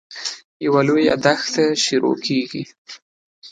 یوه لویه دښته شروع کېږي.